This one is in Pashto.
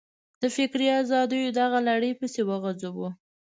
د فکري ازادیو دغه لړۍ پسې غځوو.